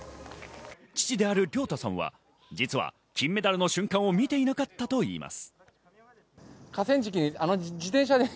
父である亮太さんは実は金メダルの瞬間を見ていなかったといいます。